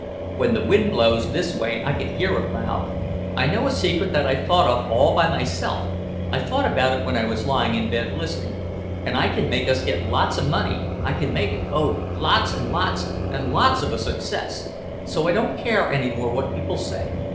When the wind blows this way I can hear it loud. I know a secret that I thought of all by myself; I thought about it when I was lying in bed listening. And I can make us get lots of money, I can make it, oh, lots and lots and lots of a success. So I don't care any more what people say.